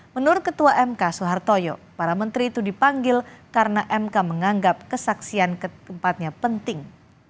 menurut ketua mk soehartoyo para menteri itu dipanggil karena mk menganggap kesaksian keempatnya penting